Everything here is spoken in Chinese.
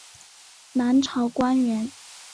南朝官员。